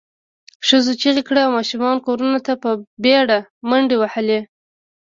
ښځو چیغې کړې او ماشومانو کورونو ته په بېړه منډې ووهلې.